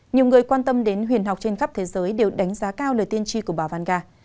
nhiều người quan tâm đến huyền học trên khắp thế giới đều đánh giá cao lời tiên tri của bà vanca